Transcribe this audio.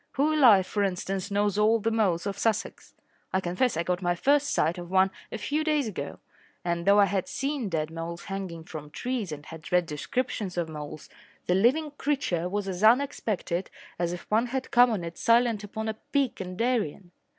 Who alive, for instance, knows all the moles of Sussex? I confess I got my first sight of one a few days ago, and, though I had seen dead moles hanging from trees and had read descriptions of moles, the living creature was as unexpected as if one had come on it silent upon a peak in Darien.